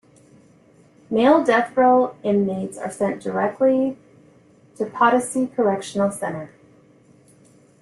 Male death row inmates are sent directly to Potosi Correctional Center.